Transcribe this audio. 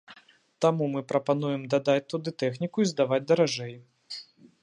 Таму мы прапануем дадаць туды тэхніку і здаваць даражэй.